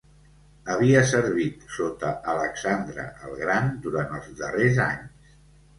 Havia servit sota Alexandre el Gran durant els darrers anys.